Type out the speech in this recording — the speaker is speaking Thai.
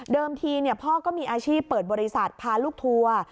ทีพ่อก็มีอาชีพเปิดบริษัทพาลูกทัวร์